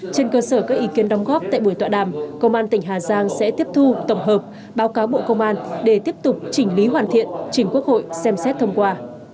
trên cơ sở các ý kiến đóng góp tại buổi tọa đàm công an tỉnh hà giang sẽ tiếp thu tổng hợp báo cáo bộ công an để tiếp tục chỉnh lý hoàn thiện chỉnh quốc hội xem xét thông qua